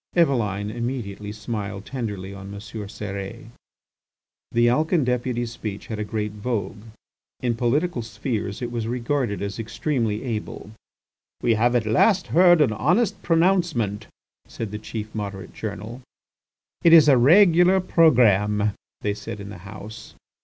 Eveline immediately smiled tenderly on M. Cérès. The Alcan deputy's speech had a great vogue. In political "spheres" it was regarded as extremely able. "We have at last heard an honest pronouncement," said the chief Moderate journal. "It is a regular programme!" they said in the House.